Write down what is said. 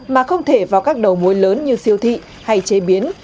mà không thể vào các đầu mối lớn như siêu thị hay chế biến